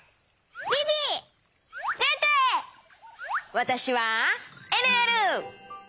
わたしはえるえる！